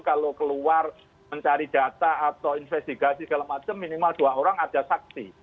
kalau keluar mencari data atau investigasi segala macam minimal dua orang ada saksi